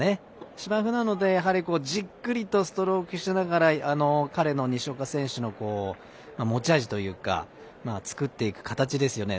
芝生なので、やはりじっくりとストロークしながら彼の、西岡選手の持ち味というか作っていく形ですよね。